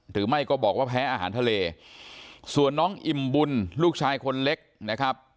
หรือไม่ก็บอกว่าแพ้อาหารทะเลส่วนน้องอิ่มบุญลูกชายคนเล็กนะครับ